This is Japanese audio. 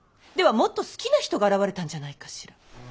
ではもっと好きな人が現れたんじゃないかしら。